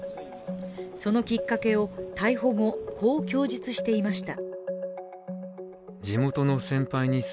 そのきっかけを逮捕後、こう供述していました。